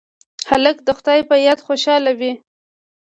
هلک د خدای په یاد خوشحاله وي.